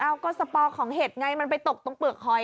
ก็สปอร์ของเห็ดไงมันไปตกตรงเปลือกหอย